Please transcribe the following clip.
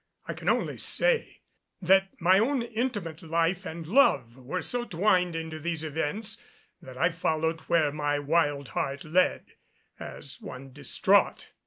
I can only say that my own intimate life and love were so twined into these events that I followed where my wild heart led, as one distraught.